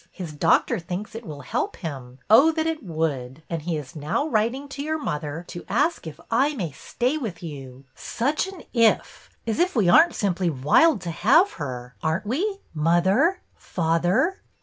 His doc tor thinks it will help him — oh, that it would !— and he is now writing to your mother to ask if I may stay with you 1 ' Such an if ! As if we are n't simply wild to have her, aren't we, mother, father?